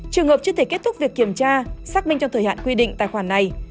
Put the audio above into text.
trường hợp chưa thể kết thúc việc kiểm tra xác minh trong thời hạn quy định tài khoản này